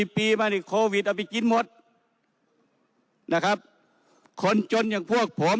ปีมานี่โควิดเอาไปกินหมดนะครับคนจนอย่างพวกผม